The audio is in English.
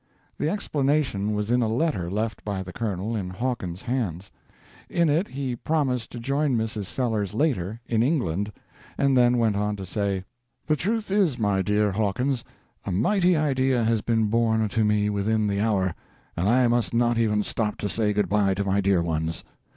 The explanation was in a letter left by the colonel in Hawkins's hands. In it he promised to join Mrs. Sellers later, in England, and then went on to say: The truth is, my dear Hawkins, a mighty idea has been born to me within the hour, and I must not even stop to say goodbye to my dear ones.